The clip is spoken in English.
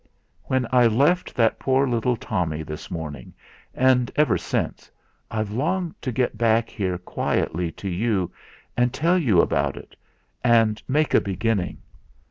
"When I left that poor little Tommy this morning, and ever since, I've longed to get back here quietly to you and tell you about it, and make a beginning.